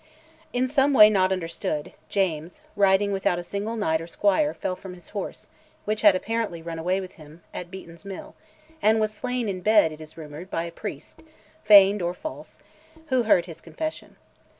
In some way not understood, James, riding without a single knight or squire, fell from his horse, which had apparently run away with him, at Beaton's Mill, and was slain in bed, it was rumoured, by a priest, feigned or false, who heard his confession.